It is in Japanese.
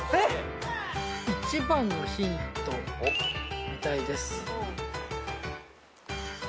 １番のヒント見たいです。